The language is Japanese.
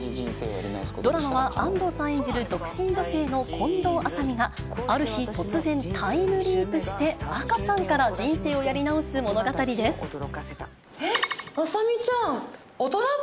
ドラマは安藤さん演じる独身女性の近藤麻美が、ある日突然、タイムリープして赤ちゃんから人生をやり直す物語です。えっ？